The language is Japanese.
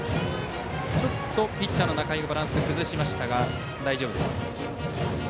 ピッチャーの仲井がバランスを崩しましたが大丈夫です。